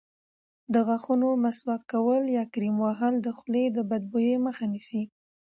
د غاښونو مسواک کول یا کریم وهل د خولې د بدبویۍ مخه نیسي.